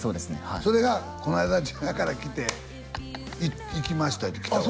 それがこの間丈弥からきて「行きました」ってきたよ